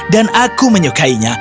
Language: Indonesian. dan aku menyukainya